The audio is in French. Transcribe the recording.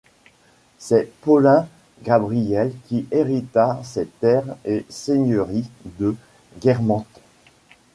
C’est Paulin Gabriel qui hérita des terres et seigneurie de Guermantes.